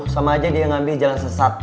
sama aja dia ngambil jalan sesat